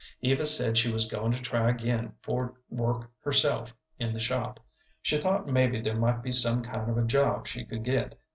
Eva said she was goin' to try again for work herself in the shop. She thought maybe there might be some kind of a job she could get.